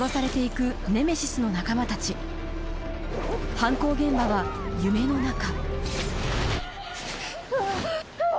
犯行現場は夢の中うわぁ！